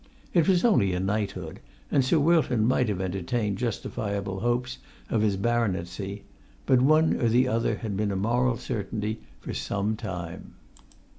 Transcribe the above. It was only a knighthood, and Sir Wilton might have entertained justifiable hopes of his baronetcy; but one or the other had been a moral certainty for some time.